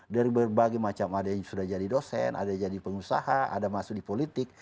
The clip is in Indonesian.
dari berbagai macam ada yang sudah jadi dosen ada yang jadi pengusaha ada masuk di politik